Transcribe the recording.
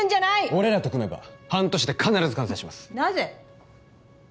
俺らと組めば半年で必ず完成しますなぜ？